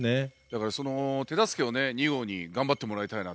だからその手助けをね２号に頑張ってもらいたいなと。